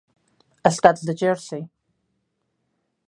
Estats de Jersey.